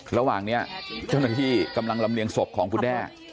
ระหว่างนี้เจ้าหน้าที่กำลังลำเลียงศพของคุณแด้